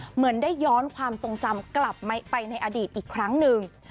เหมือนได้ย้อนความทรงจำกลับไปในอดีตอีกครั้งหนึ่ง